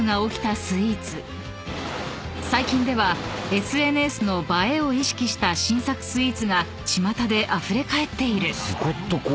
［最近ではＳＮＳの映えを意識した新作スイーツがちまたであふれ返っている］